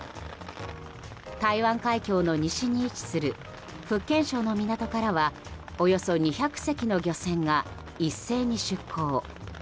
台湾海峡の西に位置する福建省の港からはおよそ２００隻の漁船が一斉に出航。